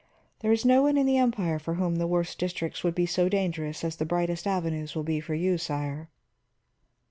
There is no one in the Empire for whom the worst districts would be so dangerous as the brightest avenues will be for you, sire."